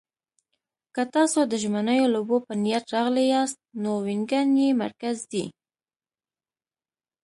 که تاسو د ژمنیو لوبو په نیت راغلي یاست، نو وینګن یې مرکز دی.